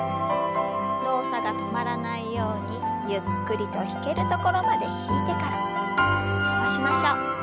動作が止まらないようにゆっくりと引けるところまで引いてから伸ばしましょう。